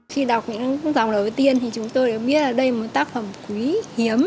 khi đọc những dòng đầu tiên thì chúng tôi đều biết là đây là một tác phẩm quý hiếm